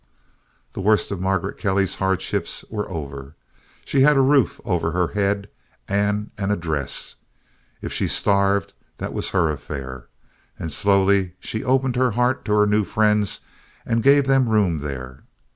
The worst of Margaret Kelly's hardships were over. She had a roof over her head, and an "address." If she starved, that was her affair. And slowly she opened her heart to her new friends and gave them room there.